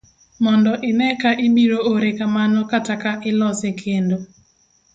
mondo ine ka ibiro ore kamano kata ka ilose kendo